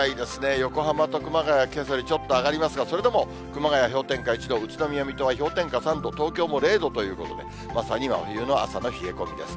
横浜と熊谷はけさよりちょっと上がりますが、それでも熊谷氷点下１度、宇都宮、水戸は氷点下３度ということで、東京も０度ということで、まさに今、冬の朝の冷え込みです。